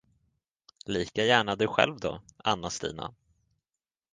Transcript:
Lika gärna du själv då, Anna Stina.